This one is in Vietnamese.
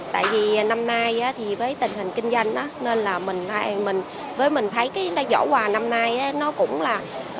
tại vì năm nay thì với tình hình kinh doanh nên là mình với mình thấy cái giỏ quà năm nay nó cũng là